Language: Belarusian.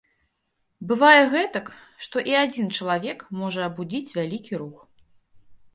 Бывае гэтак, што і адзін чалавек можа абудзіць вялікі рух.